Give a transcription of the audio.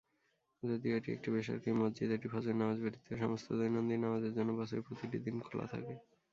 যদিও এটি একটি বেসরকারী মসজিদ, এটি ফজরের নামায ব্যতীত সমস্ত দৈনন্দিন নামাজের জন্য বছরের প্রতিটি দিন খোলা থাকে।